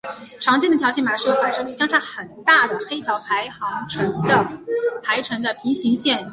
常见的条形码是由反射率相差很大的黑条排成的平行线图案。